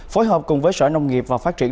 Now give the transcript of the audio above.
phối hợp cùng với sở nông nghiệp và phát triển